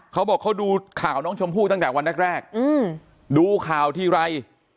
เขาบอกเขาดูข่าวน้องชมพู่ตั้งแต่วันแรกดูข่าวทีไร